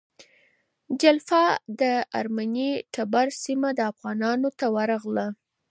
جلفا د ارمني ټبر سیمه افغانانو ته ورغله.